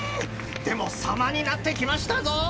でも様になってきましたぞ。